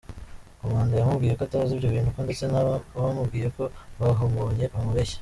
Komanda yamubwiye ko atazi ibyo bintu ko ndetse n’abamubwiye ko bahamubonye bamubeshye.